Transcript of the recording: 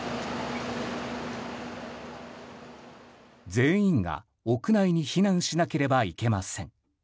全員が屋内に避難しなければいけません。